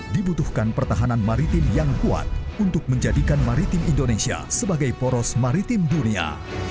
dibutuhkan pertahanan maritim yang kuat untuk menjadikan maritim indonesia sebagai poros maritim dunia